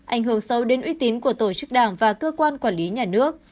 ảnh hưởng sâu đến uy tín của tổ chức đảng và cơ quan quản lý nhà nước